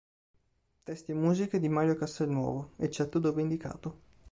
Testi e musiche di Mario Castelnuovo, eccetto dove indicato